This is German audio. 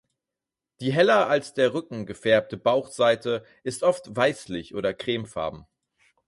Die heller als der Rücken gefärbte Bauchseite ist oft weißlich oder cremefarben.